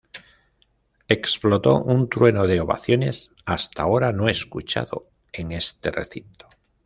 Explotó un trueno de ovaciones, hasta ahora no escuchado en este recinto.